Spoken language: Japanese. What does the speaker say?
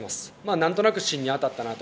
なんとなく芯に当たったなと。